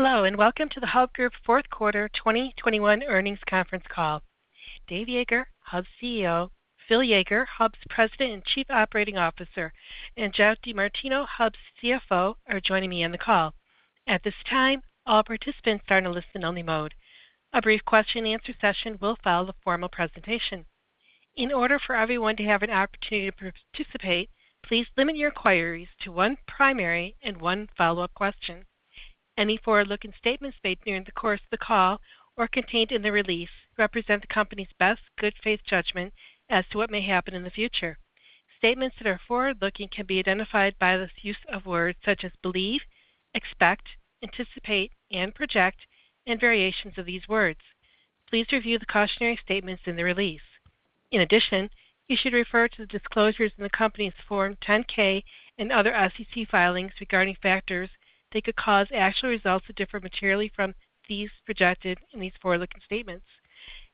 Hello, and welcome to the Hub Group Q4 2021 Earnings Conference Call. Dave Yeager, Hub's CEO, Phil Yeager, Hub's President and Chief Operating Officer, and Geoff DeMartino, Hub's CFO, are joining me on the call. At this time, all participants are in a listen-only mode. A brief question-and-answer session will follow the formal presentation. In order for everyone to have an opportunity to participate, please limit your inquiry to one primary and one follow-up question. Any forward-looking statements made during the course of the call or contained in the release represent the company's best good faith judgment as to what may happen in the future. Statements that are forward-looking can be identified by the use of words such as believe, expect, anticipate, and project, and variations of these words. Please review the cautionary statements in the release. In addition, you should refer to the disclosures in the company's Form 10-K and other SEC filings regarding factors that could cause actual results to differ materially from these projected in these forward-looking statements.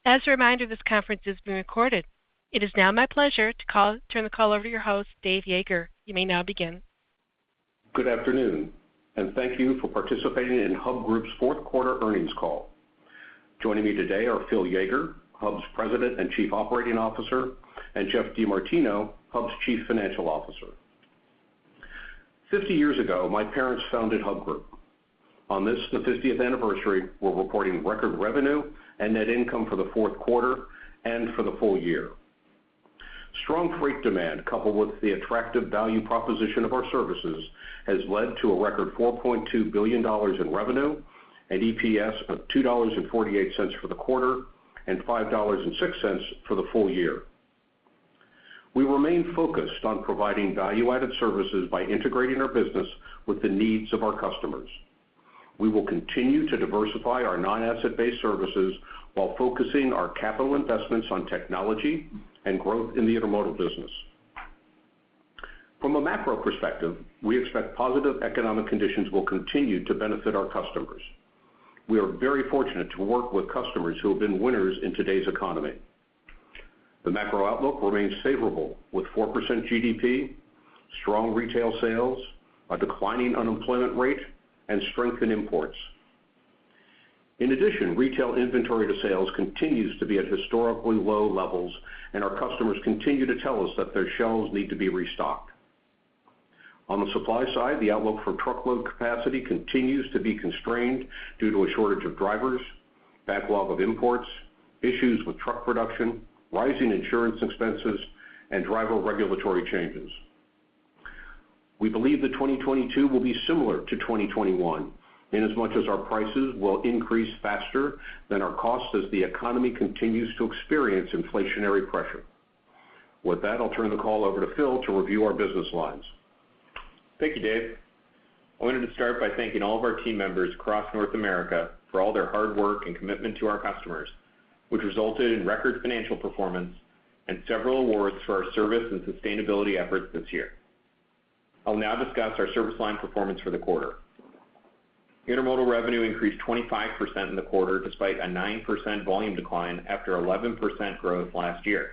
As a reminder, this conference is being recorded. It is now my pleasure to turn the call over to your host, Dave Yeager. You may now begin. Good afternoon, and thank you for participating in Hub Group's Q4 Earnings Call. Joining me today are Phil Yeager, Hub's President and Chief Operating Officer, and Geoff DeMartino, Hub's Chief Financial Officer. 50 years ago, my parents founded Hub Group. On this, the 50th anniversary, we're reporting record revenue and net income for Q4 and for the full year. Strong freight demand, coupled with the attractive value proposition of our services, has led to a record $4.2 billion in revenue and EPS of $2.48 for the quarter and 5.06 for the full year. We remain focused on providing value-added services by integrating our business with the needs of our customers. We will continue to diversify our non-asset-based services while focusing our capital investments on technology and growth in the intermodal business. From a macro perspective, we expect positive economic conditions will continue to benefit our customers. We are very fortunate to work with customers who have been winners in today's economy. The macro outlook remains favorable, with 4% GDP, strong retail sales, a declining unemployment rate, and strength in imports. In addition, retail inventory to sales continues to be at historically low levels, and our customers continue to tell us that their shelves need to be restocked. On the supply side, the outlook for truckload capacity continues to be constrained due to a shortage of drivers, backlog of imports, issues with truck production, rising insurance expenses, and driver regulatory changes. We believe that 2022 will be similar to 2021 in as much as our prices will increase faster than our costs as the economy continues to experience inflationary pressure. With that, I'll turn the call over to Phil to review our business lines. Thank you, Dave. I wanted to start by thanking all of our team members across North America for all their hard work and commitment to our customers, which resulted in record financial performance and several awards for our service and sustainability efforts this year. I'll now discuss our service line performance for the quarter. Intermodal revenue increased 25% in the quarter despite a 9% volume decline after 11% growth last year.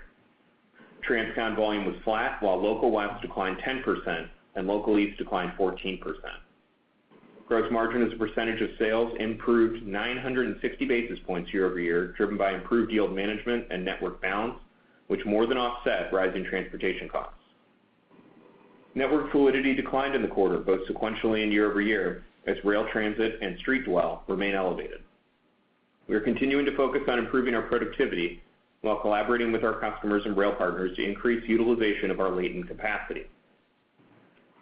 Transcon volume was flat while local west declined 10% and local east declined 14%. Gross margin as a percentage of sales improved 960 basis points year-over-year, driven by improved yield management and network balance, which more than offset rising transportation costs. Network fluidity declined in the quarter, both sequentially and year-over-year, as rail transit and street dwell remain elevated. We are continuing to focus on improving our productivity while collaborating with our customers and rail partners to increase utilization of our latent capacity.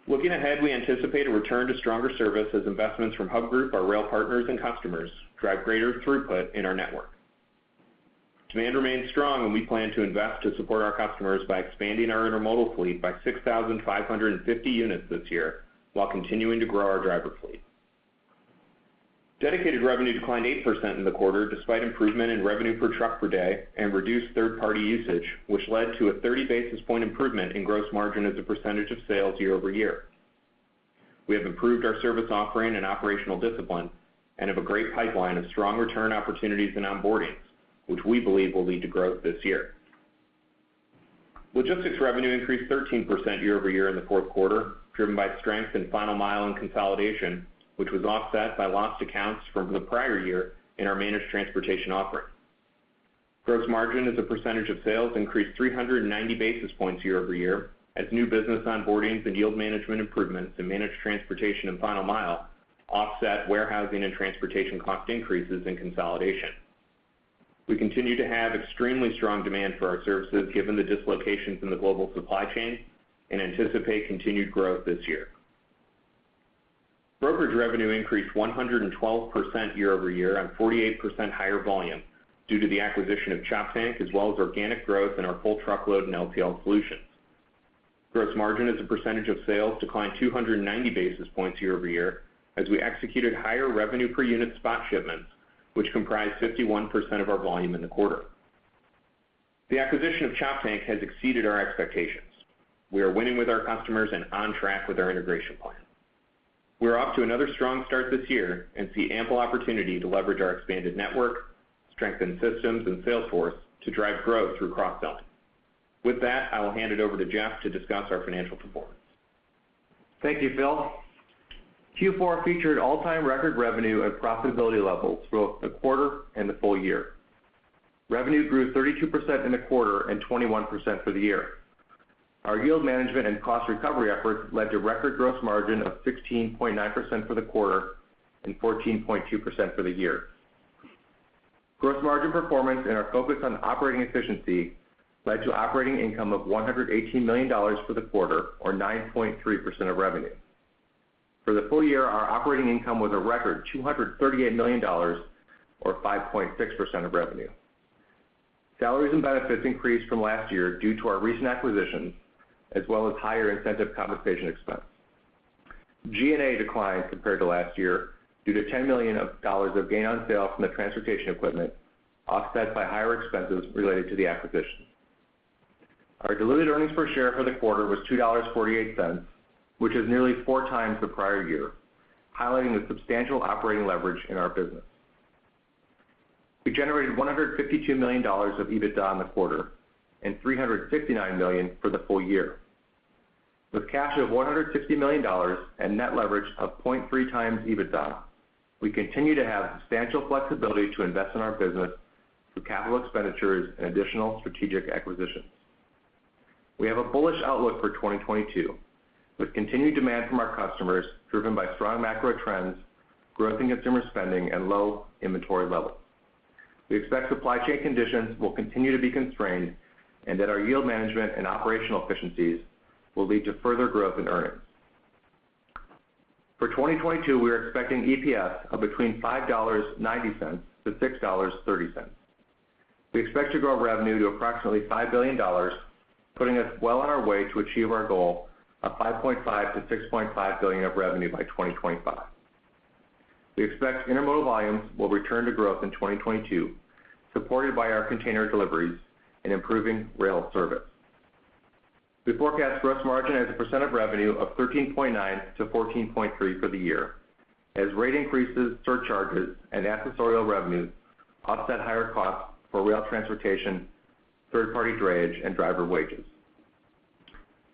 Looking ahead, we anticipate a return to stronger service as investments from Hub Group, our rail partners, and customers drive greater throughput in our network. Demand remains strong, and we plan to invest to support our customers by expanding our intermodal fleet by 6,500 units this year while continuing to grow our driver fleet. Dedicated revenue declined 8% in the quarter despite improvement in revenue per truck per day and reduced third-party usage, which led to a 30 basis point improvement in gross margin as a percentage of sales year-over-year. We have improved our service offering and operational discipline and have a great pipeline of strong return opportunities and onboardings, which we believe will lead to growth this year. Logistics revenue increased 13% year-over-year in Q4, driven by strength in final mile and consolidation, which was offset by lost accounts from the prior year in our managed transportation offering. Gross margin as a percentage of sales increased 390 basis points year-over-year as new business onboardings and yield management improvements in managed transportation and final mile offset warehousing and transportation cost increases in consolidation. We continue to have extremely strong demand for our services given the dislocations in the global supply chain and anticipate continued growth this year. Brokerage revenue increased 112% year-over-year and 48% higher volume due to the acquisition of Choptank as well as organic growth in our full truckload and LTL solutions. Gross margin as a percentage of sales declined 290 basis points year-over-year as we executed higher revenue per unit spot shipments, which comprised 51% of our volume in the quarter. The acquisition of Choptank has exceeded our expectations. We are winning with our customers and on track with our integration plan. We're off to another strong start this year and see ample opportunity to leverage our expanded network, strength in systems, and sales force to drive growth through cross-selling. With that, I will hand it over to Geoff to discuss our financial performance. Thank you, Phil. Q4 featured all-time record revenue and profitability levels throughout the quarter and the full year. Revenue grew 32% in the quarter and 21% for the year. Our yield management and cost recovery efforts led to record gross margin of 16.9% for the quarter and 14.2% for the year. Gross margin performance and our focus on operating efficiency led to operating income of $118 million for the quarter, or 9.3% of revenue. For the full year, our operating income was a record $238 million or 5.6% of revenue. Salaries and benefits increased from last year due to our recent acquisitions as well as higher incentive compensation expense. G&A declined compared to last year due to $10 million of gain on sale from the transportation equipment, offset by higher expenses related to the acquisition. Our diluted earnings per share for the quarter was $2.48, which is nearly 4x the prior year, highlighting the substantial operating leverage in our business. We generated $152 million of EBITDA in the quarter and 359 million for the full year. With cash of $160 million and net leverage of 0.3x EBITDA, we continue to have substantial flexibility to invest in our business through capital expenditures and additional strategic acquisitions. We have a bullish outlook for 2022, with continued demand from our customers driven by strong macro trends, growth in consumer spending, and low inventory levels. We expect supply chain conditions will continue to be constrained and that our yield management and operational efficiencies will lead to further growth in earnings. For 2022, we are expecting EPS of between $5.90-6.30. We expect to grow revenue to approximately $5 billion, putting us well on our way to achieve our goal of $5.5-6.5 billion of revenue by 2025. We expect intermodal volumes will return to growth in 2022, supported by our container deliveries and improving rail service. We forecast gross margin as a percent of revenue of 13.9%-14.3% for the year as rate increases, surcharges, and accessorial revenues offset higher costs for rail transportation, third-party drayage, and driver wages.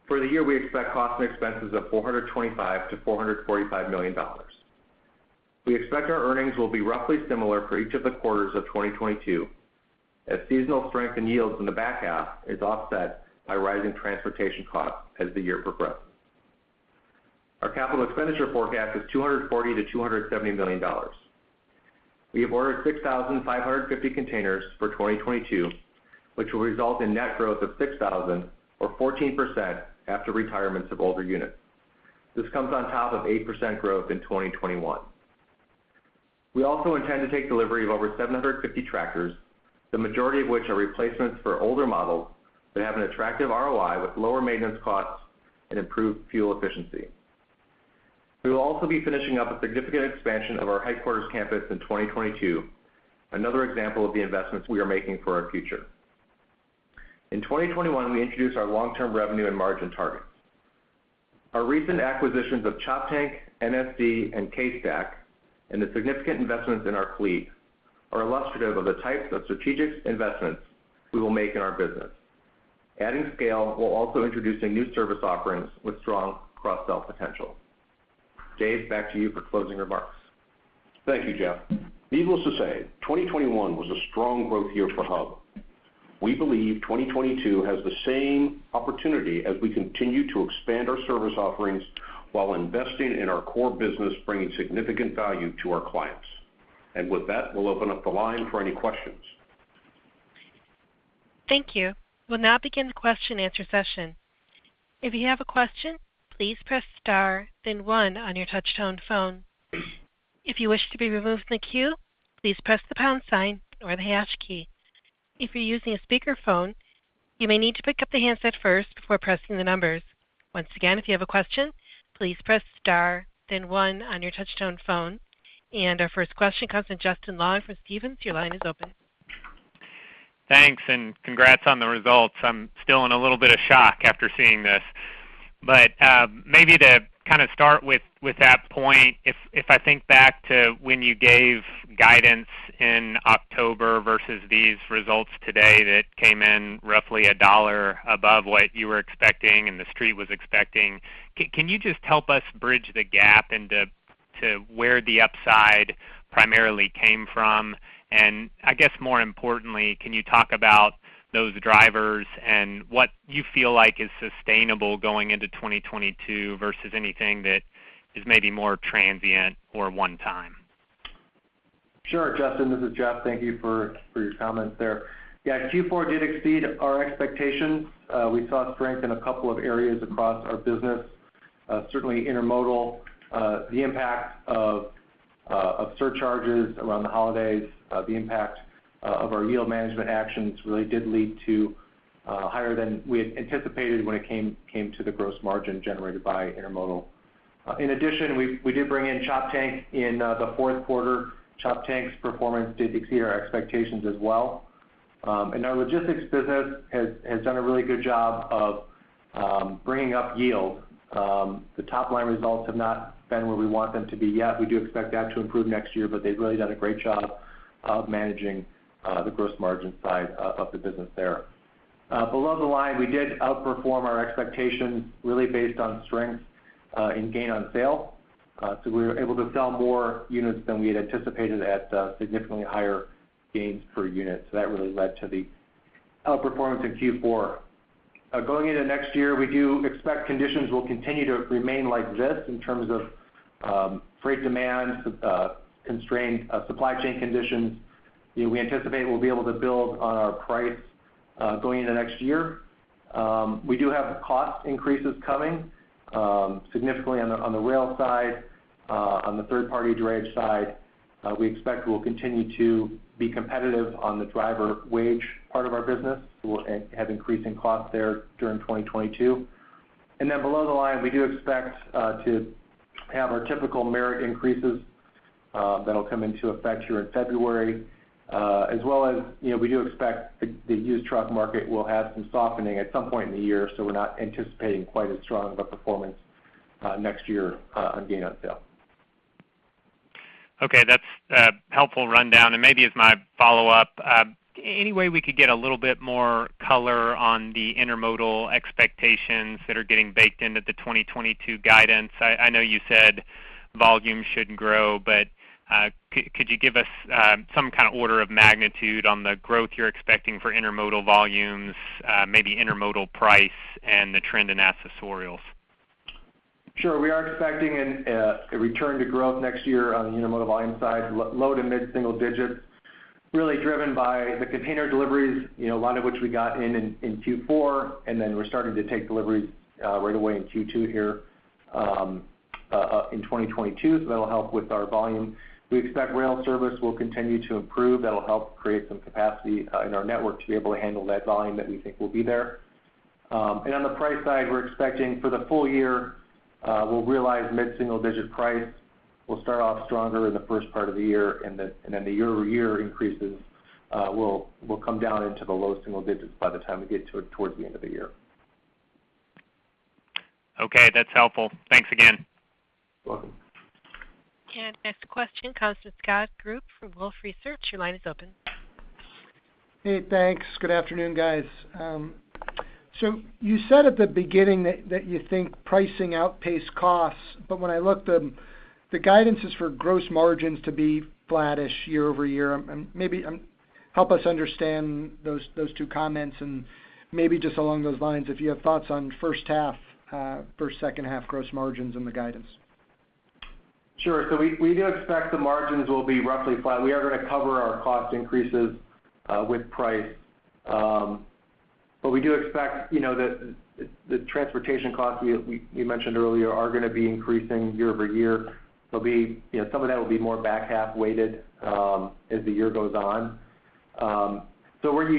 For the year, we expect costs and expenses of $425-445 million. We expect our earnings will be roughly similar for each of the quarters of 2022 as seasonal strength in yields in the back half is offset by rising transportation costs as the year progresses. Our capital expenditure forecast is $240-270 million. We have ordered 6,550 containers for 2022, which will result in net growth of 6,000 or 14% after retirements of older units. This comes on top of 8% growth in 2021. We also intend to take delivery of over 750 tractors, the majority of which are replacements for older models that have an attractive ROI with lower maintenance costs and improved fuel efficiency. We will also be finishing up a significant expansion of our headquarters campus in 2022, another example of the investments we are making for our future. In 2021, we introduced our long-term revenue and margin targets. Our recent acquisitions of Choptank, NSD, and CaseStack, and the significant investments in our fleet are illustrative of the types of strategic investments we will make in our business, adding scale while also introducing new service offerings with strong cross-sell potential. Dave, back to you for closing remarks. Thank you, Geoff. Needless to say, 2021 was a strong growth year for Hub. We believe 2022 has the same opportunity as we continue to expand our service offerings while investing in our core business, bringing significant value to our clients. With that, we'll open up the line for any questions. Thank you. We'll now begin the question answer session. If you have a question, please press star then one on your touch-tone phone. If you wish to be removed from the queue, please press the pound sign or the hash key. If you're using a speakerphone, you may need to pick up the handset first before pressing the numbers. Once again, if you have a question, please press star then one on your touch-tone phone. Our first question comes from Justin Long from Stephens. Your line is open. Thanks and congrats on the results. I'm still in a little bit of shock after seeing this. Maybe to kind of start with that point, if I think back to when you gave guidance in October versus these results today that came in roughly $1 above what you were expecting and the street was expecting, can you just help us bridge the gap into where the upside primarily came from? And I guess more importantly, can you talk about those drivers and what you feel like is sustainable going into 2022 versus anything that is maybe more transient or one time? Sure, Justin, this is Geoff. Thank you for your comments there. Yeah, Q4 did exceed our expectations. We saw strength in a couple of areas across our business. Certainly intermodal, the impact of surcharges around the holidays, the impact of our yield management actions really did lead to higher than we had anticipated when it came to the gross margin generated by intermodal. In addition, we did bring in Choptank in Q4. Choptank's performance did exceed our expectations as well. Our logistics business has done a really good job of bringing up yield. The top-line results have not been where we want them to be yet. We do expect that to improve next year, but they've really done a great job of managing the gross margin side of the business there. Below the line, we did outperform our expectations really based on strength in gain on sale. We were able to sell more units than we had anticipated at significantly higher gains per unit. That really led to the outperformance in Q4. Going into next year, we do expect conditions will continue to remain like this in terms of freight demand constrained supply chain conditions. You know, we anticipate we'll be able to build on our price going into next year. We do have cost increases coming significantly on the rail side on the third-party drayage side. We expect we'll continue to be competitive on the driver wage part of our business. We'll have increasing costs there during 2022. Below the line, we do expect to have our typical merit increases that'll come into effect here in February, as well as, you know, we do expect the used truck market will have some softening at some point in the year, so we're not anticipating quite as strong of a performance next year on gain on sale. Okay. That's a helpful rundown. Maybe as my follow-up, any way we could get a little bit more color on the intermodal expectations that are getting baked into the 2022 guidance? I know you said volume should grow, but could you give us some kind of order of magnitude on the growth you're expecting for intermodal volumes, maybe intermodal price and the trend in accessorials? Sure. We are expecting a return to growth next year on the intermodal volume side, low- to mid-single digits, really driven by the container deliveries, you know, a lot of which we got in in Q4, and then we're starting to take deliveries right away in Q2 here in 2022. That'll help with our volume. We expect rail service will continue to improve. That'll help create some capacity in our network to be able to handle that volume that we think will be there. On the price side, we're expecting for the full year, we'll realize mid-single digit price. We'll start off stronger in the first part of the year, and then the year-over-year increases will come down into the low single digits by the time we get towards the end of the year. Okay, that's helpful. Thanks again. You're welcome. Next question comes from Scott Group from Wolfe Research. Your line is open. Hey, thanks. Good afternoon, guys. You said at the beginning that you think pricing outpaced costs. When I look, the guidance is for gross margins to be flattish year-over-year. Maybe help us understand those two comments and maybe just along those lines, if you have thoughts on first half, second half gross margins and the guidance? Sure. We do expect the margins will be roughly flat. We are gonna cover our cost increases with price. We do expect you know the transportation costs we mentioned earlier are gonna be increasing year-over-year. They'll be you know some of that will be more back half weighted as the year goes on.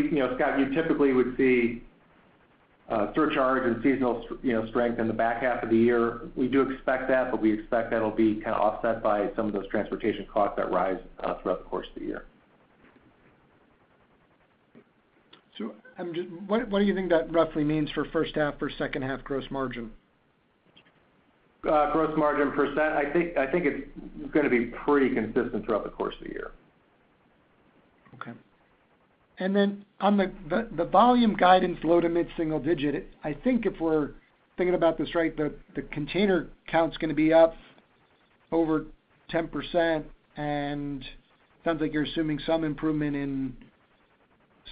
You know Scott you typically would see surcharge and seasonal you know strength in the back half of the year. We do expect that but we expect that'll be kind of offset by some of those transportation costs that rise throughout the course of the year. What do you think that roughly means for first half or second half gross margin? Gross margin percent, I think it's gonna be pretty consistent throughout the course of the year. Okay. Then on the volume guidance low- to mid-single-digit, I think if we're thinking about this right, the container count's gonna be up over 10%, and sounds like you're assuming some improvement in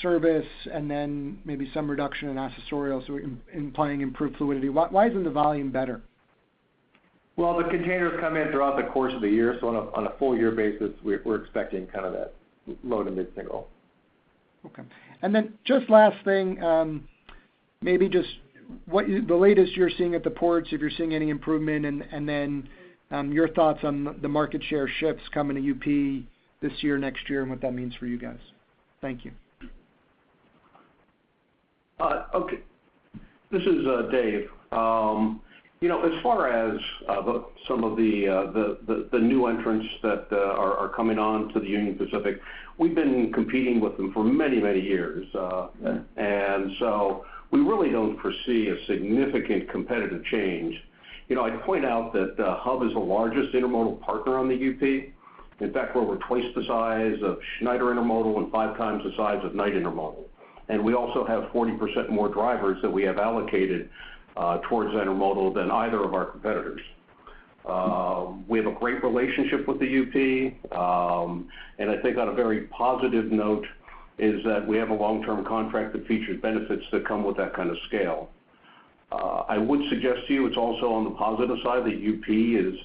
service and then maybe some reduction in accessorial, so implying improved fluidity. Why isn't the volume better? Well, the containers come in throughout the course of the year, so on a full year basis, we're expecting kind of that low to mid-single. Okay. Just last thing, maybe just what is the latest you're seeing at the ports, if you're seeing any improvement, and then your thoughts on the market share shifts coming to UP this year, next year, and what that means for you guys. Thank you. Okay. This is Dave. You know, as far as some of the new entrants that are coming on to the Union Pacific, we've been competing with them for many, many years. We really don't foresee a significant competitive change. You know, I'd point out that Hub is the largest intermodal partner on the UP. In fact, we're over twice the size of Schneider Intermodal and 5x the size of Knight-Swift Transportation. We also have 40% more drivers that we have allocated towards intermodal than either of our competitors. We have a great relationship with the UP. I think on a very positive note is that we have a long-term contract that features benefits that come with that kind of scale. I would suggest to you it's also on the positive side that UP is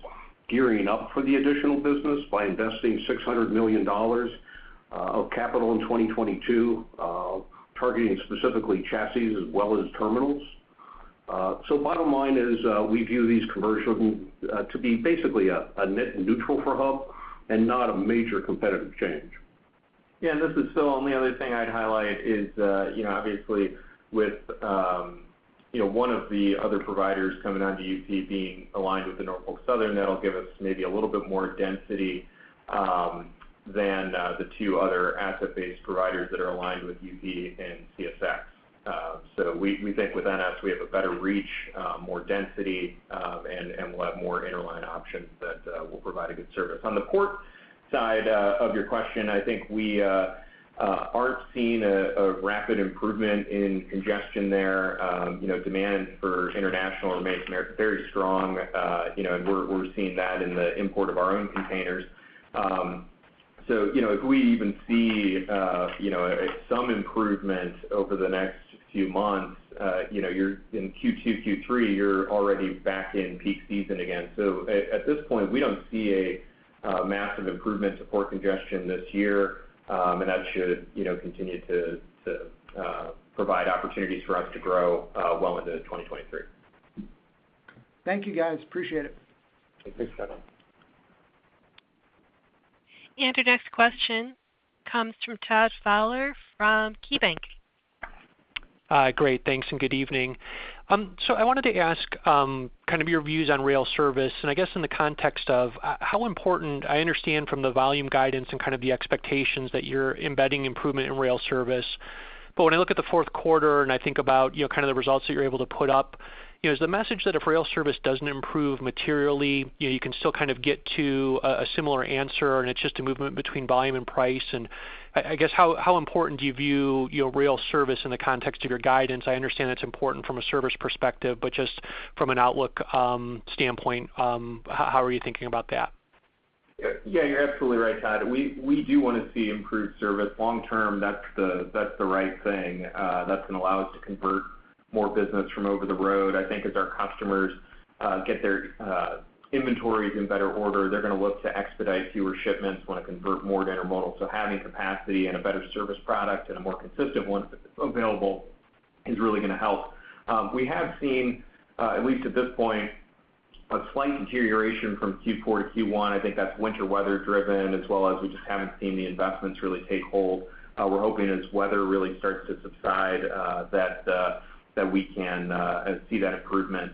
gearing up for the additional business by investing $600 million of capital in 2022, targeting specifically chassis as well as terminals. Bottom line is, we view these conversions to be basically a net neutral for Hub and not a major competitive change. Yeah. This is Phil. The other thing I'd highlight is, you know, obviously with, you know, one of the other providers coming onto UP being aligned with the Norfolk Southern, that'll give us maybe a little bit more density than the two other asset-based providers that are aligned with UP and CSX. We think with NS, we have a better reach, more density, and we'll have more interline options that will provide a good service. On the port side of your question, I think we aren't seeing a rapid improvement in congestion there. You know, demand for international remains very strong. You know, we're seeing that in the import of our own containers. You know, if we even see, you know, some improvement over the next few months, you know, you're in Q2, Q3, you're already back in peak season again. At this point, we don't see a massive improvement to port congestion this year. That should, you know, continue to provide opportunities for us to grow well into 2023. Thank you guys. Appreciate it. Thanks, Scott. Our next question comes from Todd Fowler from KeyBanc Capital Markets. Hi. Great, thanks and good evening. I wanted to ask kind of your views on rail service, and I guess in the context of how important. I understand from the volume guidance and kind of the expectations that you're embedding improvement in rail service. When I look at Q4, and I think about, you know, kind of the results that you're able to put up, you know, is the message that if rail service doesn't improve materially, you know, you can still kind of get to a similar answer, and it's just a movement between volume and price. I guess how important do you view, you know, rail service in the context of your guidance? I understand it's important from a service perspective, but just from an outlook standpoint, how are you thinking about that? Yeah, you're absolutely right, Todd. We do wanna see improved service. Long term, that's the right thing. That's gonna allow us to convert more business from over the road. I think as our customers get their inventories in better order, they're gonna look to expedite fewer shipments, wanna convert more to intermodal. So having capacity and a better service product, and a more consistent one, if it's available, is really gonna help. We have seen, at least at this point, a slight deterioration from Q4 to Q1. I think that's winter weather driven, as well as we just haven't seen the investments really take hold. We're hoping as weather really starts to subside, that we can see that improvement.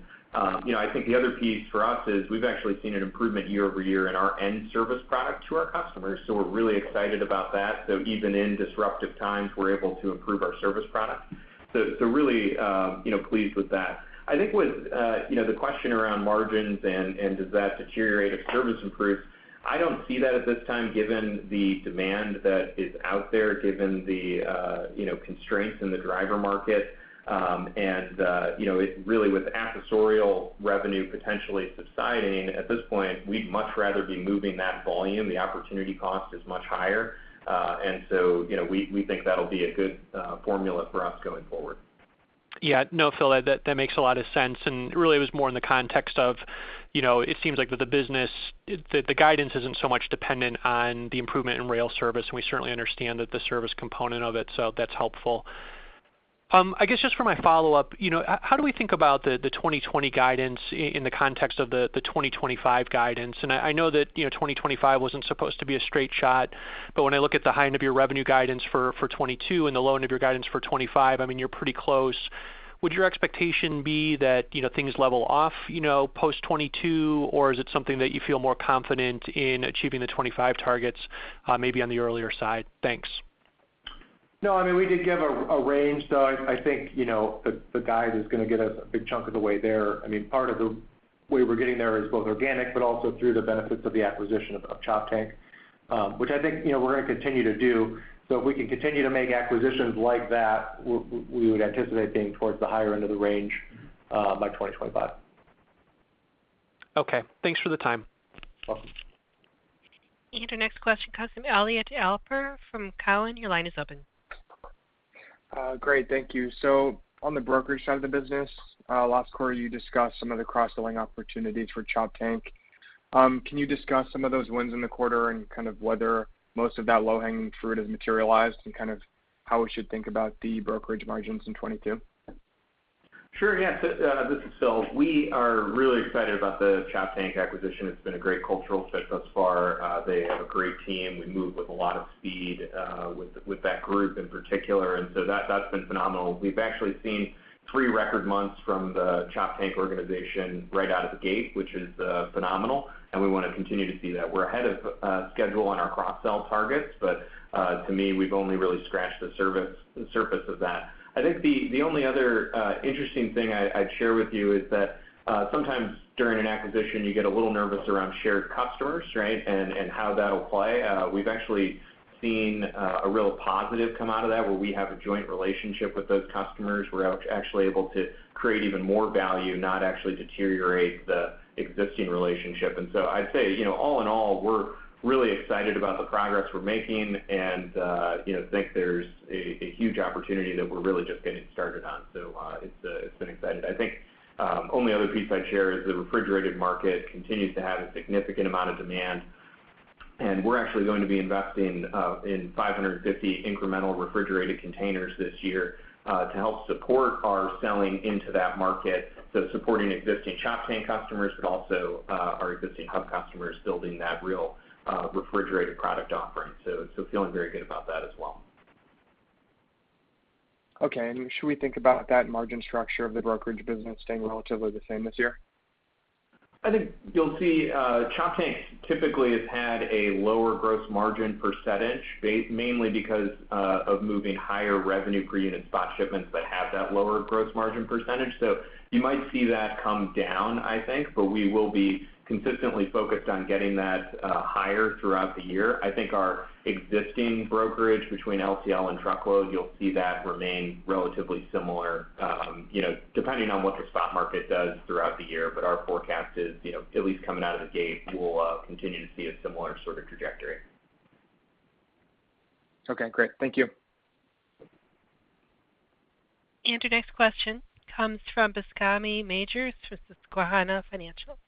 You know, I think the other piece for us is we've actually seen an improvement year-over-year in our end-to-end service product to our customers, so we're really excited about that. Even in disruptive times, we're able to improve our service product. Really, you know, pleased with that. I think with you know, the question around margins and does that deteriorate if service improves, I don't see that at this time, given the demand that is out there, given the you know, constraints in the driver market. And you know, it really with accessorial revenue potentially subsiding at this point, we'd much rather be moving that volume. The opportunity cost is much higher. You know, we think that'll be a good formula for us going forward. Yeah. No, Phil, that makes a lot of sense, and really was more in the context of, you know, it seems like the business, the guidance isn't so much dependent on the improvement in rail service, and we certainly understand the service component of it, so that's helpful. I guess just for my follow-up, you know, how do we think about the 2024 guidance in the context of the 2025 guidance? I know that, you know, 2025 wasn't supposed to be a straight shot, but when I look at the high end of your revenue guidance for 2022 and the low end of your guidance for 2025, I mean, you're pretty close. Would your expectation be that, you know, things level off, you know, post 2022? Is it something that you feel more confident in achieving the 2025 targets, maybe on the earlier side? Thanks. No, I mean, we did give a range, so I think, you know, the guide is gonna get us a big chunk of the way there. I mean, part of the way we're getting there is both organic, but also through the benefits of the acquisition of Choptank, which I think, you know, we're gonna continue to do. If we can continue to make acquisitions like that, we would anticipate being towards the higher end of the range by 2025. Okay. Thanks for the time. Welcome. Our next question comes from Jason Seidl from Cowen. Your line is open. Great. Thank you. On the brokerage side of the business, last quarter you discussed some of the cross-selling opportunities for Choptank. Can you discuss some of those wins in the quarter and kind of whether most of that low-hanging fruit has materialized and kind of how we should think about the brokerage margins in 2022? Sure. Yeah. This is Phil. We are really excited about the Choptank acquisition. It's been a great cultural fit thus far. They have a great team. We move with a lot of speed with that group in particular, and that's been phenomenal. We've actually seen three record months from the Choptank organization right out of the gate, which is phenomenal, and we wanna continue to see that. We're ahead of schedule on our cross-sell targets, but to me, we've only really scratched the surface of that. I think the only other interesting thing I'd share with you is that sometimes during an acquisition you get a little nervous around shared customers, right? And how that'll play. We've actually seen a real positive come out of that, where we have a joint relationship with those customers. We're actually able to create even more value, not actually deteriorate the existing relationship. I'd say, you know, all in all, we're really excited about the progress we're making and, you know, think there's a huge opportunity that we're really just getting started on. It's been exciting. I think only other piece I'd share is the refrigerated market continues to have a significant amount of demand, and we're actually going to be investing in 550 incremental refrigerated containers this year to help support our selling into that market, supporting existing Choptank customers, but also our existing Hub customers building that real refrigerated product offering. Feeling very good about that as well. Okay. Should we think about that margin structure of the brokerage business staying relatively the same this year? I think you'll see, Choptank typically has had a lower gross margin percentage, mainly because of moving higher revenue per unit spot shipments that have that lower gross margin percentage. You might see that come down, I think, but we will be consistently focused on getting that higher throughout the year. I think our existing brokerage between LTL and truckload, you'll see that remain relatively similar, you know, depending on what the spot market does throughout the year. Our forecast is, you know, at least coming out of the gate, we'll continue to see a similar sort of trajectory. Okay, great. Thank you. Your next question comes from Bascome Majors with Susquehanna Financial.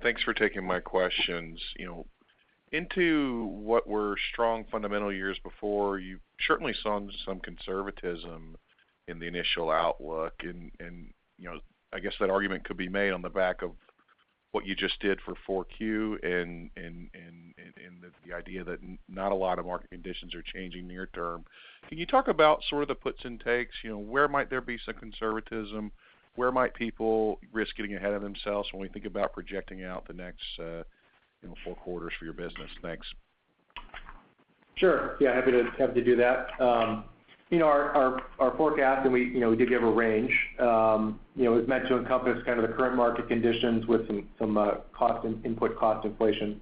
Thanks for taking my questions. You know, into what were strong fundamental years before, you certainly saw some conservatism in the initial outlook. You know, I guess that argument could be made on the back of what you just did for Q4 in the idea that not a lot of market conditions are changing near term. Can you talk about sort of the puts and takes, you know, where might there be some conservatism? Where might people risk getting ahead of themselves when we think about projecting out the next, you know four quarters for your business? Thanks. Sure. Yeah, happy to do that. You know, our forecast, and we did give a range, was meant to encompass kind of the current market conditions with some input cost inflation.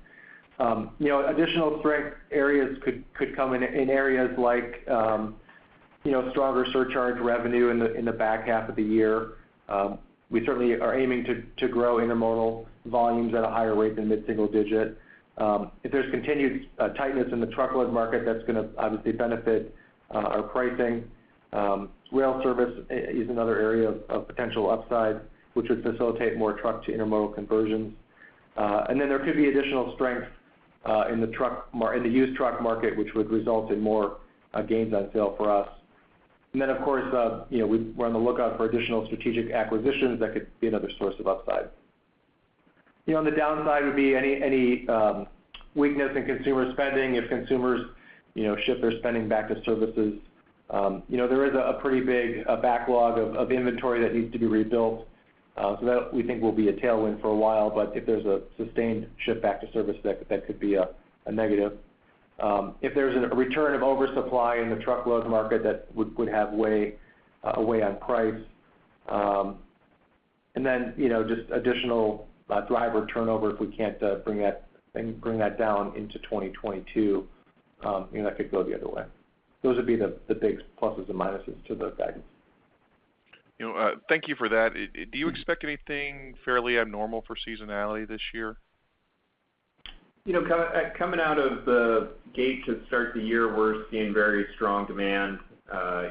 You know, additional strength areas could come in areas like, you know, stronger surcharge revenue in the back half of the year. We certainly are aiming to grow intermodal volumes at a higher rate than mid-single digit. If there's continued tightness in the truckload market, that's gonna obviously benefit our pricing. Rail service is another area of potential upside, which would facilitate more truck to intermodal conversions. There could be additional strength in the used truck market, which would result in more gains on sale for us. Of course, you know, we're on the lookout for additional strategic acquisitions that could be another source of upside. You know, on the downside would be any weakness in consumer spending if consumers, you know, shift their spending back to services. You know, there is a pretty big backlog of inventory that needs to be rebuilt. So that we think will be a tailwind for a while, but if there's a sustained shift back to services, that could be a negative. If there's a return of oversupply in the truckload market, that would weigh on price. Just additional driver turnover, if we can't bring that down into 2022, you know, that could go the other way. Those would be the big pluses and minuses to the guidance. You know, thank you for that. Do you expect anything fairly abnormal for seasonality this year? You know, coming out of the gate to start the year, we're seeing very strong demand.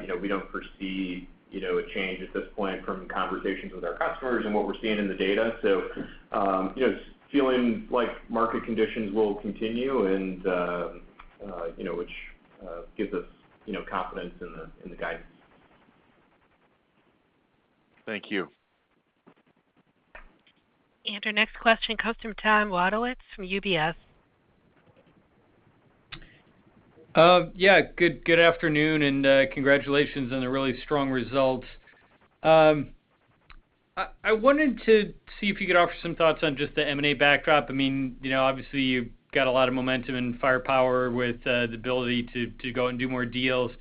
You know, we don't foresee a change at this point from conversations with our customers and what we're seeing in the data. You know, feeling like market conditions will continue and which gives us confidence in the guidance. Thank you. Our next question comes from Tom Wadewitz from UBS. Yeah, good afternoon, and congratulations on the really strong results. I wanted to see if you could offer some thoughts on just the M&A backdrop. I mean, you know, obviously, you've got a lot of momentum and firepower with the ability to go and do more deals.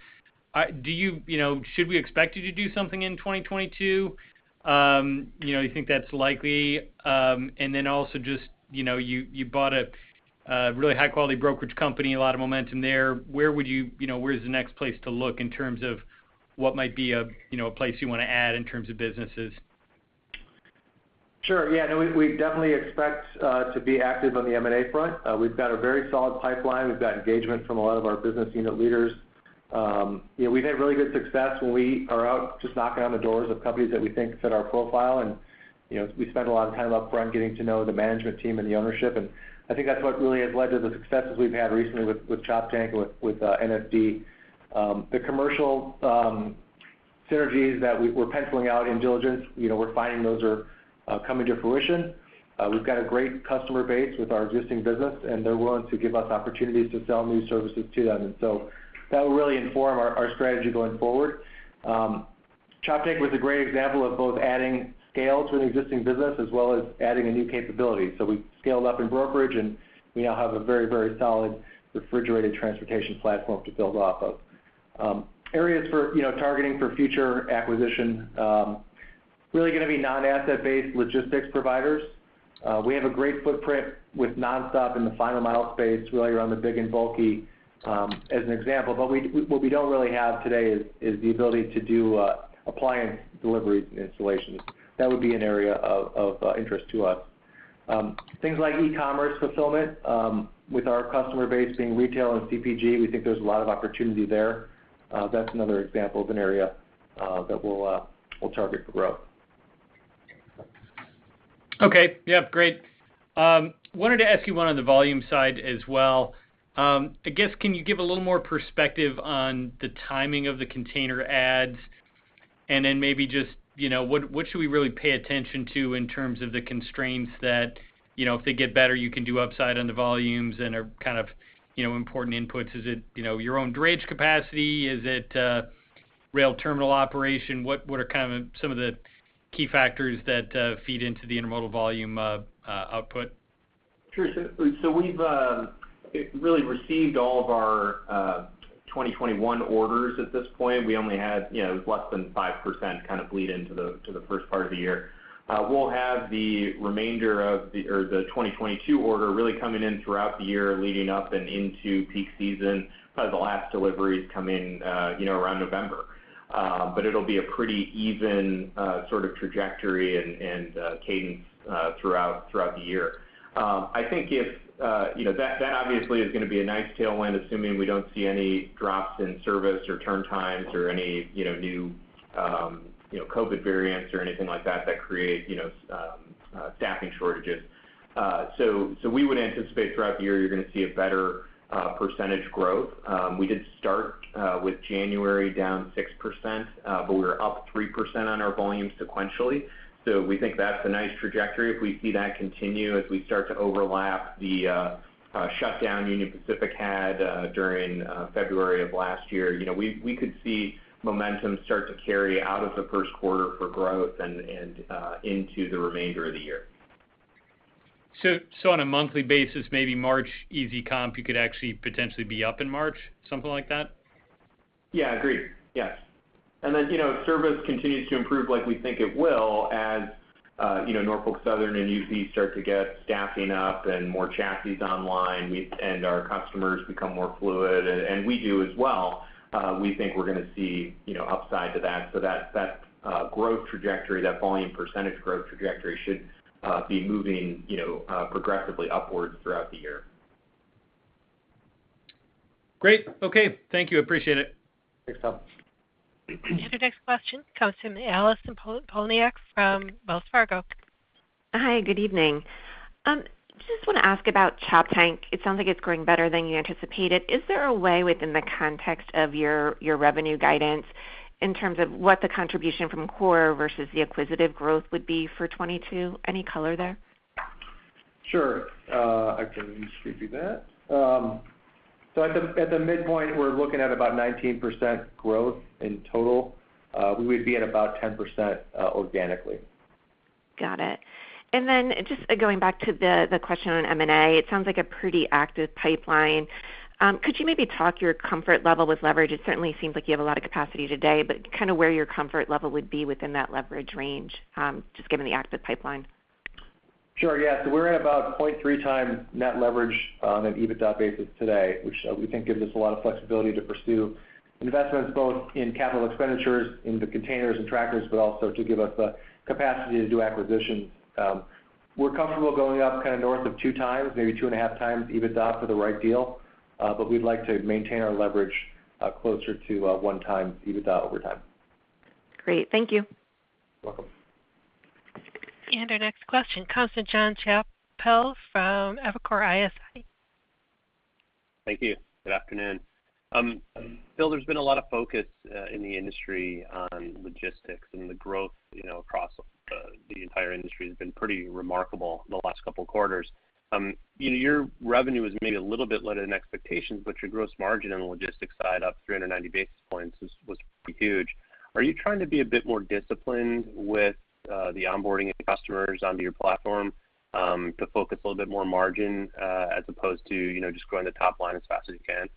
You know, should we expect you to do something in 2022? You know, you think that's likely, and then also just, you know, you bought a really high-quality brokerage company, a lot of momentum there. Where would you know, where is the next place to look in terms of what might be a, you know, a place you wanna add in terms of businesses? Sure. Yeah, no, we definitely expect to be active on the M&A front. We've got a very solid pipeline. We've got engagement from a lot of our business unit leaders. You know, we've had really good success when we are out just knocking on the doors of companies that we think fit our profile. You know, we spend a lot of time upfront getting to know the management team and the ownership. I think that's what really has led to the successes we've had recently with Choptank, with NSD. The commercial synergies that we're penciling out in diligence, you know, we're finding those are coming to fruition. We've got a great customer base with our existing business, and they're willing to give us opportunities to sell new services to them. That will really inform our strategy going forward. Choptank was a great example of both adding scale to an existing business as well as adding a new capability. We scaled up in brokerage, and we now have a very solid refrigerated transportation platform to build off of. Areas for, you know, targeting future acquisition really gonna be non-asset-based logistics providers. We have a great footprint with Nonstop in the final mile space really around the big and bulky, as an example. What we don't really have today is the ability to do appliance deliveries and installations. That would be an area of interest to us. Things like e-commerce fulfillment with our customer base being retail and CPG, we think there's a lot of opportunity there. That's another example of an area that we'll target for growth. Okay. Yeah, great. Wanted to ask you one on the volume side as well. I guess, can you give a little more perspective on the timing of the container adds? Then maybe just, you know, what should we really pay attention to in terms of the constraints that, you know, if they get better, you can do upside on the volumes and are kind of, you know, important inputs? Is it, you know, your own drayage capacity? Is it, rail terminal operation? What are kind of some of the key factors that feed into the intermodal volume output? We've really received all of our 2021 orders at this point. We only had, you know, less than 5% kind of bleed into the first part of the year. We'll have the remainder of the 2022 order really coming in throughout the year leading up and into peak season, probably the last deliveries come in, you know, around November. It'll be a pretty even sort of trajectory and cadence throughout the year. I think that obviously is gonna be a nice tailwind, assuming we don't see any drops in service or turn times or any new COVID variants or anything like that that create staffing shortages. We would anticipate throughout the year you're gonna see a better percentage growth. We did start with January down 6%, but we were up 3% on our volume sequentially. We think that's a nice trajectory. If we see that continue as we start to overlap the shutdown Union Pacific had during February of last year, you know, we could see momentum start to carry out of the first quarter for growth and into the remainder of the year. On a monthly basis, maybe March easy comp, you could actually potentially be up in March, something like that? Yeah, agreed. Yes. You know, if service continues to improve like we think it will as, you know, Norfolk Southern and UP start to get staffing up and more chassis online, we and our customers become more fluid, and we do as well, we think we're gonna see, you know, upside to that. That growth trajectory, that volume percentage growth trajectory should be moving, you know, progressively upwards throughout the year. Great. Okay. Thank you. Appreciate it. Thanks, Tom. Our next question comes from Allison Poliniak from Wells Fargo. Hi, good evening. Just wanna ask about Choptank. It sounds like it's growing better than you anticipated. Is there a way within the context of your revenue guidance in terms of what the contribution from core versus the acquisitive growth would be for 2022? Any color there? Sure. I can just repeat that. At the midpoint, we're looking at about 19% growth in total. We would be at about 10%, organically. Got it. Just going back to the question on M&A, it sounds like a pretty active pipeline. Could you maybe talk your comfort level with leverage? It certainly seems like you have a lot of capacity today, but kinda where your comfort level would be within that leverage range, just given the active pipeline. Sure, yeah. We're at about 0.3x net leverage on an EBITDA basis today, which, we think gives us a lot of flexibility to pursue investments both in capital expenditures in the containers and tractors, but also to give us the capacity to do acquisitions. We're comfortable going up kind of north of 2x, maybe 2.5x EBITDA for the right deal, but we'd like to maintain our leverage closer to 1x EBITDA over time. Great. Thank you. Welcome. Our next question comes to Jonathan Chappell from Evercore ISI. Thank you. Good afternoon. Phil Yeager, there's been a lot of focus in the industry on logistics, and the growth, you know, across the entire industry has been pretty remarkable in the last couple of quarters. You know, your revenue was maybe a little bit lower than expectations, but your gross margin on the logistics side up 390 basis points was huge. Are you trying to be a bit more disciplined with the onboarding of customers onto your platform to focus a little bit more margin as opposed to, you know, just growing the top line as fast as you can?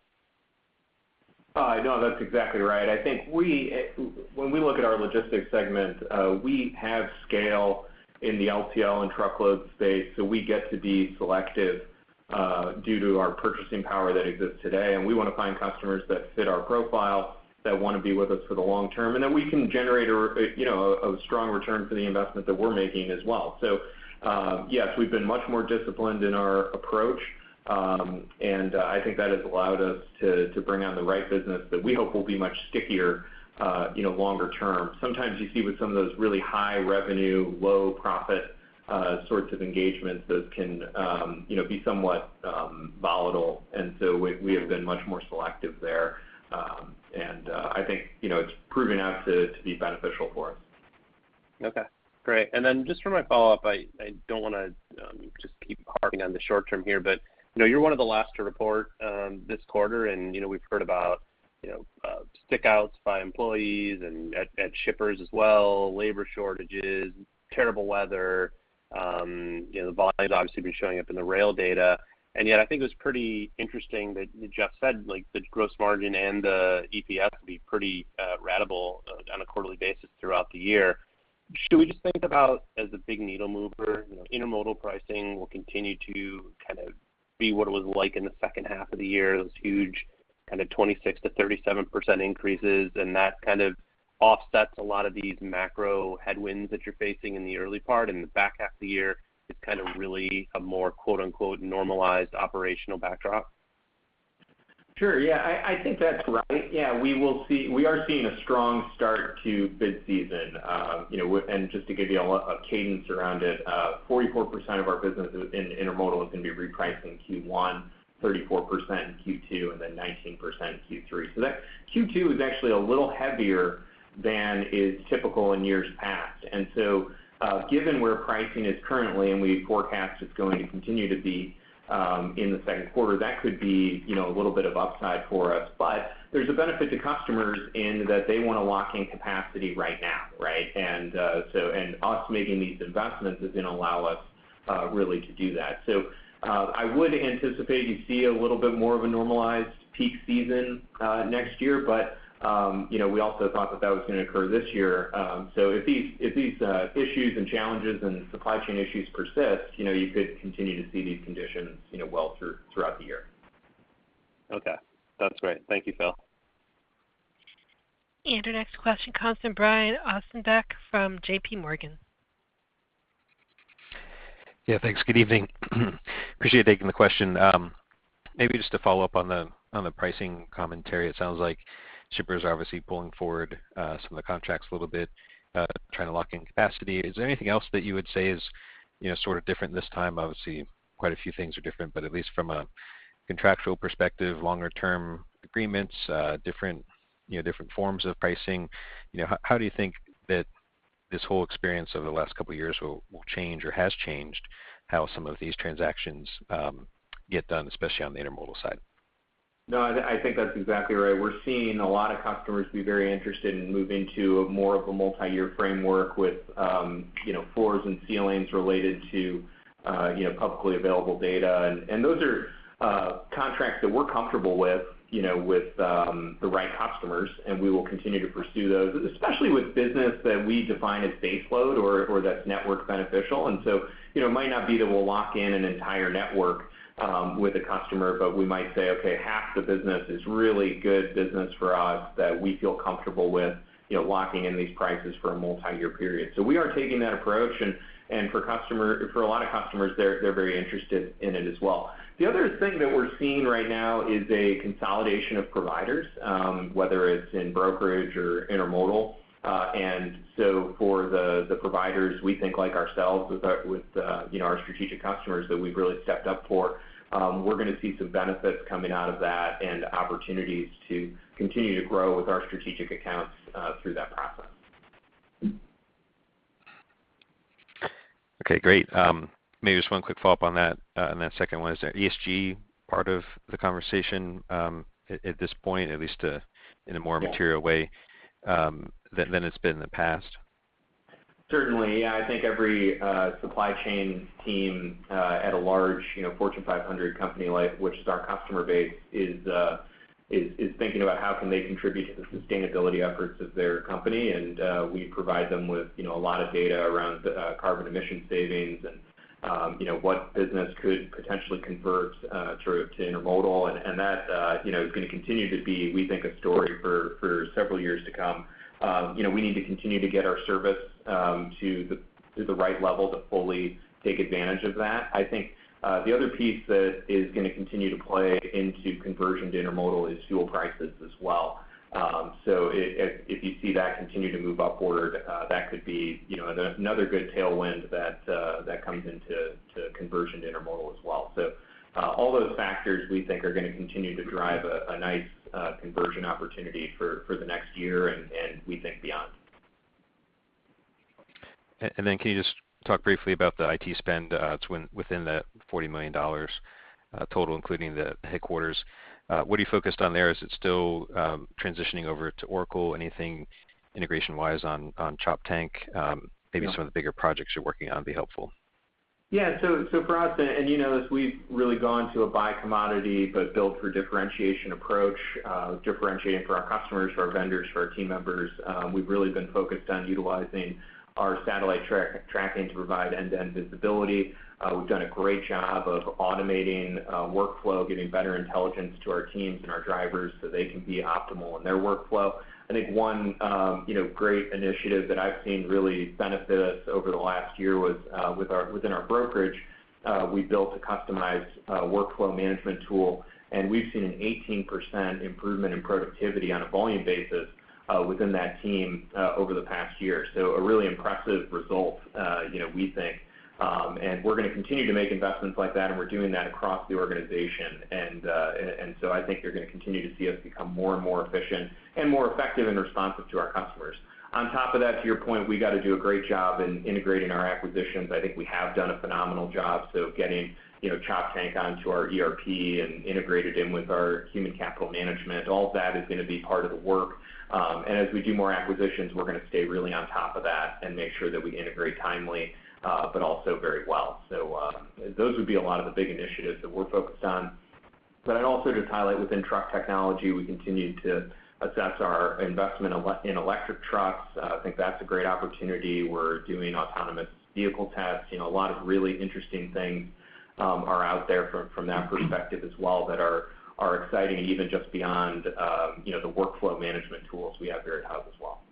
No, that's exactly right. I think we, when we look at our logistics segment, we have scale in the LTL and truckload space, so we get to be selective, due to our purchasing power that exists today. We wanna find customers that fit our profile, that wanna be with us for the long term, and that we can generate a strong return for the investment that we're making as well. Yes, we've been much more disciplined in our approach, and I think that has allowed us to bring on the right business that we hope will be much stickier, you know, longer term. Sometimes you see with some of those really high revenue, low profit sorts of engagements, those can, you know, be somewhat volatile. We have been much more selective there. I think, you know, it's proven out to be beneficial for us. Okay, great. Then just for my follow-up, I don't wanna just keep harping on the short term here, but you know, you're one of the last to report this quarter, and you know, we've heard about stick outs by employees and at shippers as well, labor shortages, terrible weather. You know, the volume has obviously been showing up in the rail data. Yet I think it was pretty interesting that Geoff said, like, the gross margin and the EPS will be pretty ratable on a quarterly basis throughout the year. Should we just think about as a big needle mover, you know, intermodal pricing will continue to kind of be what it was like in the second half of the year, those huge kind of 26%-37% increases, and that kind of offsets a lot of these macro headwinds that you're facing in the early part, in the back half of the year, it's kind of really a more, quote-unquote, normalized operational backdrop? Sure. Yeah, I think that's right. Yeah, we will see. We are seeing a strong start to bid season, and just to give you a cadence around it, 44% of our business in Intermodal is gonna be repriced in Q1, 34% in Q2, and then 19% in Q3. That Q2 is actually a little heavier than is typical in years past. Given where pricing is currently, and we forecast it's going to continue to be in Q2, that could be a little bit of upside for us. There's a benefit to customers in that they wanna lock in capacity right now, right? Us making these investments is gonna allow us really to do that. I would anticipate you see a little bit more of a normalized peak season next year, but you know, we also thought that that was gonna occur this year. If these issues and challenges and supply chain issues persist, you know, you could continue to see these conditions, you know, well throughout the year. Okay. That's great. Thank you, Phil. Our next question comes from Brian Ossenbeck from J.P. Morgan. Yeah, thanks. Good evening. Appreciate you taking the question. Maybe just to follow up on the pricing commentary. It sounds like shippers are obviously pulling forward some of the contracts a little bit, trying to lock in capacity. Is there anything else that you would say is, you know, sort of different this time? Obviously, quite a few things are different, but at least from a contractual perspective, longer term agreements, different, you know, different forms of pricing. You know, how do you think that this whole experience over the last couple of years will change or has changed how some of these transactions get done, especially on the intermodal side? No, I think that's exactly right. We're seeing a lot of customers be very interested in moving to more of a multiyear framework with, you know, floors and ceilings related to, you know, publicly available data. Those are contracts that we're comfortable with, you know, with the right customers, and we will continue to pursue those, especially with business that we define as base load or that's network beneficial. You know, it might not be that we'll lock in an entire network with a customer, but we might say, okay, half the business is really good business for us that we feel comfortable with, you know, locking in these prices for a multiyear period. We are taking that approach, and for a lot of customers, they're very interested in it as well. The other thing that we're seeing right now is a consolidation of providers, whether it's in brokerage or intermodal. For the providers, we think like ourselves with our, you know, our strategic customers that we've really stepped up for, we're gonna see some benefits coming out of that and opportunities to continue to grow with our strategic accounts through that process. Okay, great. Maybe just one quick follow-up on that second one. Is there ESG part of the conversation at this point, at least, in a more material way....... Yeah ......than it's been in the past? Certainly. Yeah. I think every supply chain team at a large, you know, Fortune 500 company like which is our customer base is thinking about how can they contribute to the sustainability efforts of their company. We provide them with, you know, a lot of data around the carbon emission savings and, you know, what business could potentially convert to intermodal. That, you know, is gonna continue to be, we think, a story for several years to come. You know, we need to continue to get our service to the right level to fully take advantage of that. I think the other piece that is gonna continue to play into conversion to intermodal is fuel prices as well. If you see that continue to move upward, that could be, you know, another good tailwind that comes into conversion to intermodal as well. All those factors, we think, are gonna continue to drive a nice conversion opportunity for the next year and we think beyond. Can you just talk briefly about the IT spend to win within that $40 million total, including the headquarters. What are you focused on there? Is it still transitioning over to Oracle? Anything integration-wise on Choptank? Maybe some of the bigger projects you're working on would be helpful. For us, you know this, we've really gone to a buy commodity, but built for differentiation approach, differentiating for our customers, for our vendors, for our team members. We've really been focused on utilizing our satellite tracking to provide end-to-end visibility. We've done a great job of automating workflow, getting better intelligence to our teams and our drivers so they can be optimal in their workflow. I think one great initiative that I've seen really benefit us over the last year was within our brokerage. We built a customized workflow management tool, and we've seen an 18% improvement in productivity on a volume basis within that team over the past year. A really impressive result, you know, we think. We're gonna continue to make investments like that, and we're doing that across the organization. I think you're gonna continue to see us become more and more efficient and more effective and responsive to our customers. On top of that, to your point, we gotta do a great job in integrating our acquisitions. I think we have done a phenomenal job getting, you know, Choptank onto our ERP and integrated in with our human capital management, all of that is gonna be part of the work. As we do more acquisitions, we're gonna stay really on top of that and make sure that we integrate timely, but also very well. Those would be a lot of the big initiatives that we're focused on. I'd also just highlight within truck technology, we continue to assess our investment in electric trucks. I think that's a great opportunity. We're doing autonomous vehicle tests. You know, a lot of really interesting things are out there from that perspective as well that are exciting, even just beyond the workflow management tools we have here at Hub as well.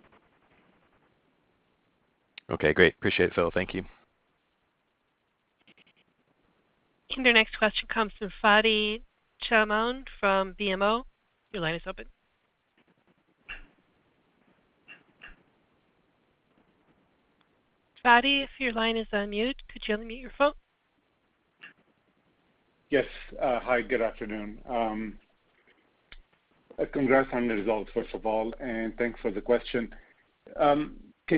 Okay, great. Appreciate it, Phil. Thank you. Our next question comes from Fadi Chamoun from BMO. Your line is open. Fadi, if your line is on mute, could you unmute your phone? Yes. Hi, good afternoon. Congrats on the results, first of all, and thanks for the question. Can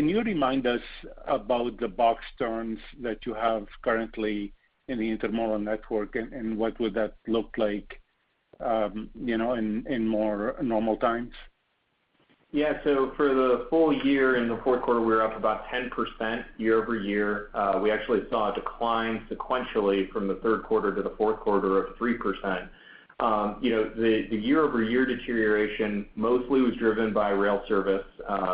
you remind us about the box turns that you have currently in the intermodal network, and what would that look like, you know, in more normal times? For the full year in Q4, we were up about 10% year-over-year. We actually saw a decline sequentially from Q3 to Q4 of 3%. You know, the year-over-year deterioration mostly was driven by rail service.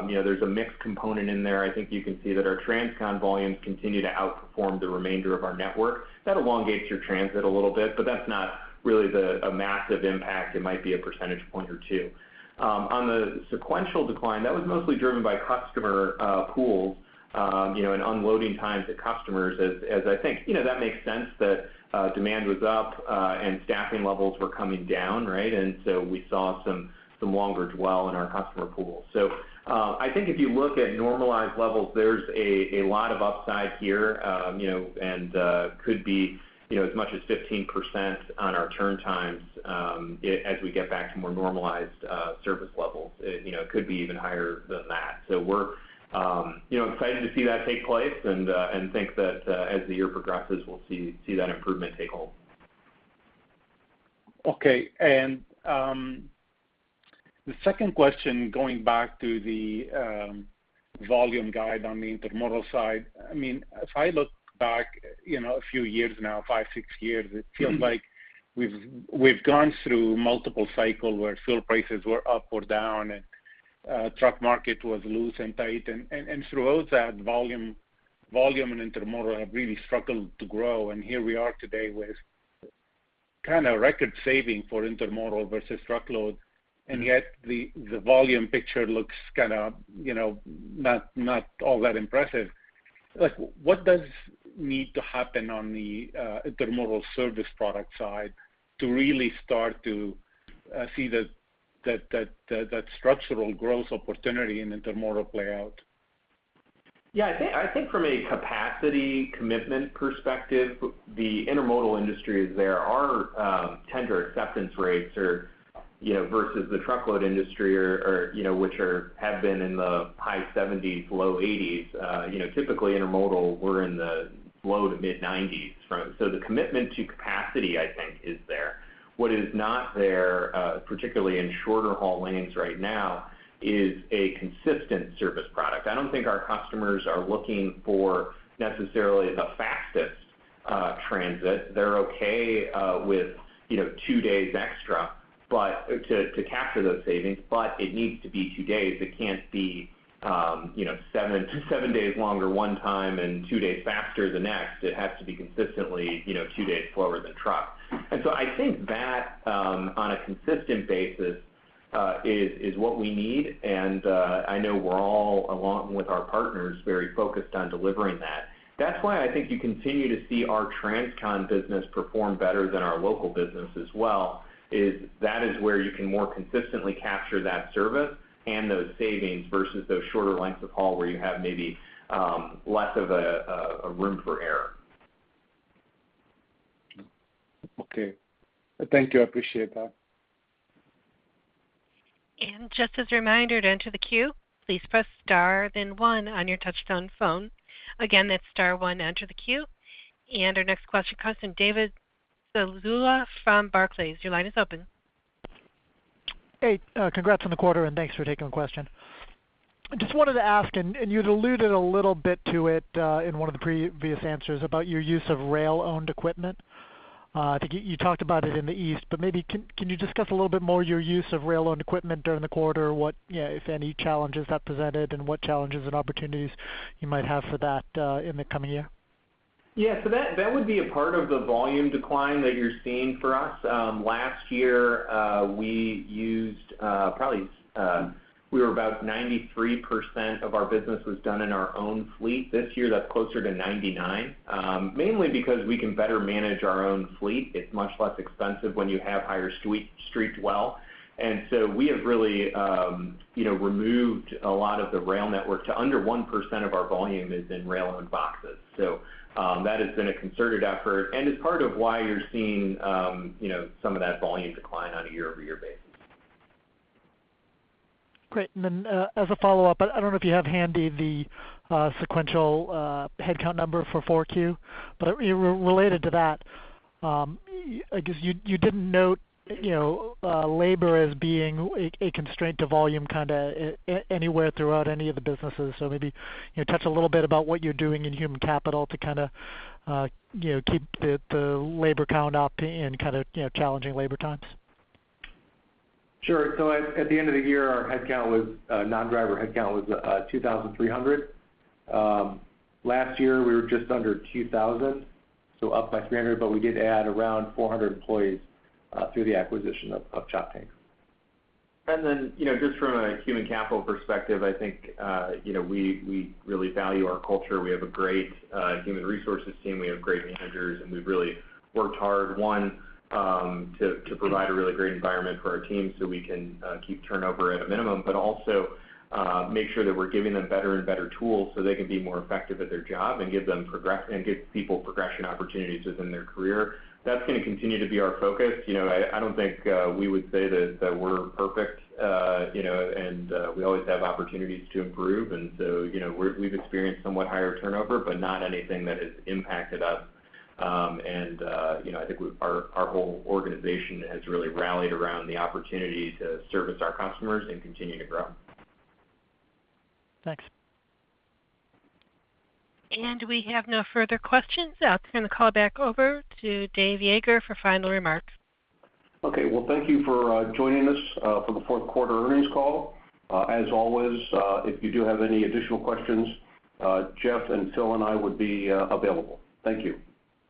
You know, there's a mixed component in there. I think you can see that our Transcon volumes continue to outperform the remainder of our network. That elongates your transit a little bit, but that's not really a massive impact. It might be a percentage point or two. On the sequential decline, that was mostly driven by customer pools, you know, and unloading times at customers as I think. You know, that makes sense that demand was up and staffing levels were coming down, right? We saw some longer dwell in our customer pools. I think if you look at normalized levels, there's a lot of upside here, you know, and could be, you know, as much as 15% on our turn times as we get back to more normalized service levels. It, you know, could be even higher than that. We're excited to see that take place and think that as the year progresses, we'll see that improvement take hold. Okay. The second question, going back to the volume guidance on the Intermodal side. I mean, if I look back, you know, a few years now, five, six years, it feels like we've gone through multiple cycles where fuel prices were up or down and truck market was loose and tight. Throughout that, volumes in Intermodal have really struggled to grow. Here we are today with kind of record saving for Intermodal versus truckload. Yet the volume picture looks kinda, you know, not all that impressive. Like, what does need to happen on the Intermodal service product side to really start to see that structural growth opportunity in Intermodal play out? Yeah. I think from a capacity commitment perspective, the intermodal industry, there are tender acceptance rates or, you know, versus the truckload industry or, you know, which have been in the high 70s%-low 80s%. Typically Intermodal, we're in the low- to mid-90s%. So the commitment to capacity, I think, is there. What is not there, particularly in shorter haul lanes right now, is a consistent service product. I don't think our customers are looking for necessarily the fastest transit. They're okay with, you know, two days extra, but to capture those savings. It needs to be two days. It can't be seven days longer one time and two days faster the next. It has to be consistently, you know, two days slower than truck. I think that, on a consistent basis, is what we need. I know we're all, along with our partners, very focused on delivering that. That's why I think you continue to see our Transcon business perform better than our local business as well, is that where you can more consistently capture that service and those savings versus those shorter lengths of haul where you have maybe less of a room for error. Okay. Thank you. I appreciate that. Just as a reminder to enter the queue, please press star then one on your touchtone phone. Again, that's star one, enter the queue. Our next question comes from David Zazula from Barclays. Your line is open. Hey, congrats on the quarter, and thanks for taking the question. Just wanted to ask, and you'd alluded a little bit to it in one of the previous answers about your use of rail-owned equipment. I think you talked about it in the east, but maybe can you discuss a little bit more your use of rail-owned equipment during the quarter? What, if any, challenges that presented and what challenges and opportunities you might have for that in the coming year? That would be a part of the volume decline that you're seeing for us. Last year, we were about 93% of our business was done in our own fleet. This year, that's closer to 99%, mainly because we can better manage our own fleet. It's much less expensive when you have higher spot rates. We have really, you know, removed a lot of the rail network to under 1% of our volume is in rail-owned boxes. That has been a concerted effort, and it's part of why you're seeing, you know, some of that volume decline on a year-over-year basis. Great. As a follow-up, I don't know if you have handy the sequential headcount number for Q4. Related to that, I guess you didn't note, you know, labor as being a constraint to volume kinda anywhere throughout any of the businesses. Maybe, you know, touch a little bit about what you're doing in human capital to kinda keep the labor count up in kind of challenging labor times. Sure. At the end of the year, our headcount was non-driver headcount was 2,300. Last year, we were just under 2,000, so up by 300, but we did add around 400 employees through the acquisition of Choptank. Then, you know, just from a human capital perspective, I think, you know, we really value our culture. We have a great human resources team, we have great managers, and we've really worked hard to provide a really great environment for our team so we can keep turnover at a minimum, but also make sure that we're giving them better and better tools so they can be more effective at their job and give people progression opportunities within their career. That's gonna continue to be our focus. You know, I don't think we would say that we're perfect, you know, and we always have opportunities to improve. You know, we've experienced somewhat higher turnover, but not anything that has impacted us. You know, I think our whole organization has really rallied around the opportunity to service our customers and continue to grow. Thanks. We have no further questions. I'll turn the call back over to David Yeager for final remarks. Okay. Well, thank you for joining us for the Q4 Earnings Call. As always, if you do have any additional questions, Geoff, Phil and I would be available. Thank you.